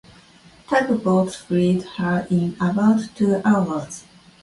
Tugboats freed her in about two hours.